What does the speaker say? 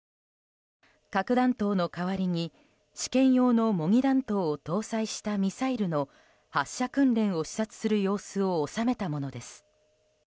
核弾頭の代わりに試験用の模擬弾頭を搭載したミサイルの発射訓練を視察する様子を収めたものです。